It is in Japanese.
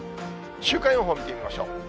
週間予報見ていきましょう。